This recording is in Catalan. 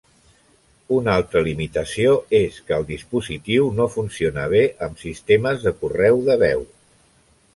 Una altra limitació és que el dispositiu no funciona bé amb sistemes de correu de veu.